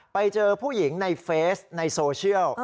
ไปเจอผู้หญิงในเฟซในโซเชียล